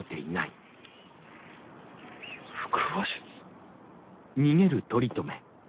腹話術？